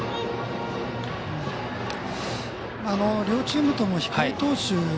両チームとも、控え投手